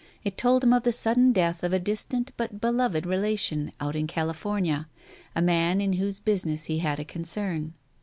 It told him of the sudden death of a distant but beloved relation, out in California, a man in whose business he had a concern.